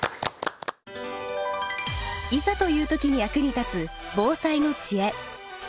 いざという時に役に立つ防災の知恵。